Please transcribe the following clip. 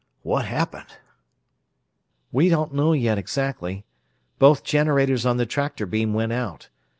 What happened?" "We don't know, exactly. Both generators on the tractor beam went out.